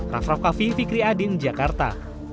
rafaqafi fikri adin jakarta